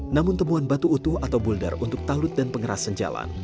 namun temuan batu utuh atau buldar untuk tahlut dan pengerasan jalan